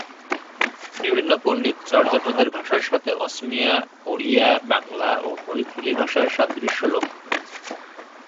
বিভিন্ন পণ্ডিত চর্যাপদের ভাষার সাথে অসমীয়া, ওড়িয়া, বাংলা ও মৈথিলী ভাষার সাদৃশ্য লক্ষ্য করেছেন।